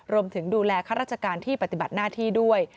รวมถึงดูแลข้าราชการที่ปฏิบัติหน้าที่ด้วย